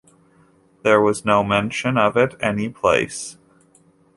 There was no mention of it any place.